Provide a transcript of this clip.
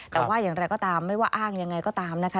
แต่ว่าอย่างไรก็ตามไม่ว่าอ้างยังไงก็ตามนะคะ